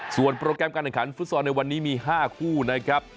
ส่วนโปรแกรมการแข่งขันฟุตซอลในวันนี้มี๕คู่นะครับ